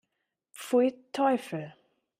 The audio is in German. Pfui, Teufel!